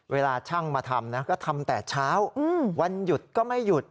เวลาช่างมาทำนะก็ทำแต่เช้าวันหยุดก็ไม่หยุด